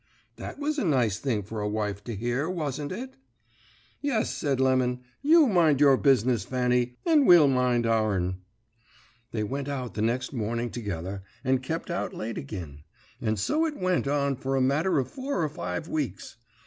"That was a nice thing for a wife to hear, wasn't it? "'Yes,' said Lemon: 'you mind your business, Fanny, and we'll mind our'n.' "They went out the next morning together, and kep out late agin; and so it went on for a matter of four or five weeks.